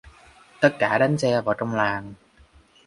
Tất cả đánh xe vào trong làng